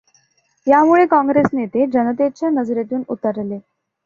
यामुळे काँग्रेसनेते जनतेच्या नजरेतून उतरले.